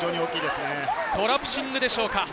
コラプシングでしょうか？